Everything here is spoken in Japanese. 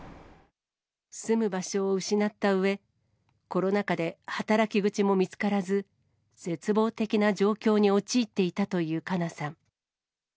住む場所を失ったうえ、コロナ禍で働き口も見つからず、絶望的な状況に陥っていたというかなさん。